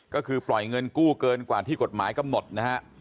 ก็คือปล่อยเงินกู้เกินกว่าที่กฎหมายกำหนดนะฮะ